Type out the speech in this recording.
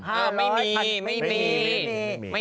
ไม่มีไม่มี